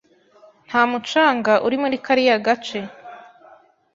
Nta mucanga uri muri kariya gace.